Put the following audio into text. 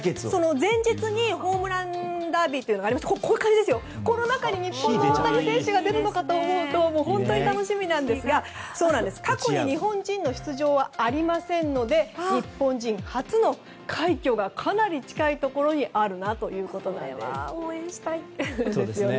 前日にホームランダービーというものがありましてこの中に日本の大谷選手が出るのかと思うと本当楽しみなんですが過去に日本人の出場はありませんので日本人初の快挙がかなり近いところにあるなということです。